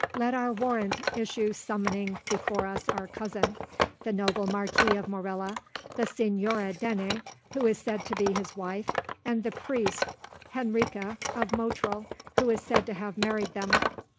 Let our warrant issue summoning before us our cousin, the noble Marquis of Morella, the Señora Dene, who is said to be his wife, and the priest Henriques of Motril, who is said to have married them.